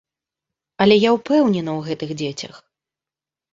Але я ўпэўнена ў гэтых дзецях.